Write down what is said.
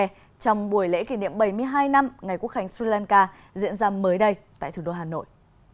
trong buổi lễ kỷ niệm bảy mươi hai năm ngày quốc hành sri lanka diễn ra mới đây tại thủ đô hà nội